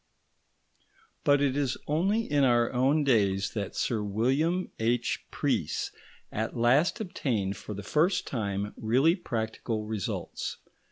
But it is only in our own days that Sir William H. Preece at last obtained for the first time really practical results.